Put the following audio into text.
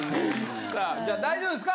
さあ大丈夫ですか。